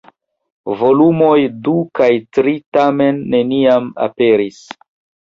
Volumoj du kaj tri, tamen, neniam aperis.